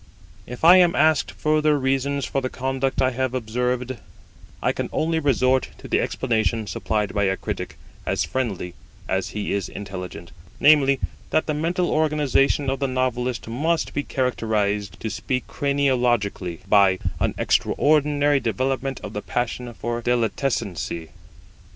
If I am asked further reasons for the conduct I have long observed, I can only resort to the explanation supplied by a critic as friendly as he is intelligent; namely, that the mental organisation of the novelist must be characterised, to speak craniologically, by an extraordinary development of the passion for delitescency!